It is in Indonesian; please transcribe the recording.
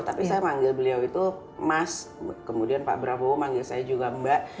tapi saya manggil beliau itu mas kemudian pak prabowo manggil saya juga mbak